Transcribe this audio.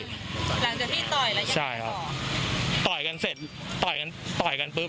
หลังจากพี่ต่อยแล้วยังไม่ต่อใช่ครับต่อยกันเสร็จต่อยกันต่อยกันปุ๊บ